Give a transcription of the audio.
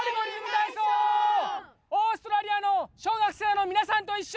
オーストラリアの小学生のみなさんといっしょ！